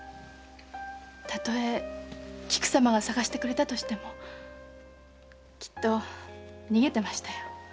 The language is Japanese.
たとえ菊様が捜してくれたとしてもきっと逃げてましたよ。